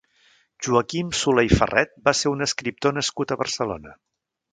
Joaquim Soler i Ferret va ser un escriptor nascut a Barcelona.